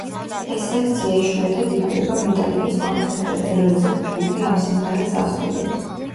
ეს სექცია იშვიათად იკვრება მეტალიკის კონცერტებზე, როდესაც ჯგუფი ამ სიმღერას ასრულებს.